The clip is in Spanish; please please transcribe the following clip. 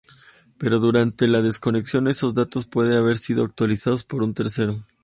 Pero durante la desconexión esos datos pueden haber sido actualizados por un tercero.